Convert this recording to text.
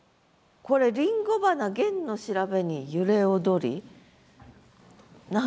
これ「りんご花弦の調べに揺れ踊り」。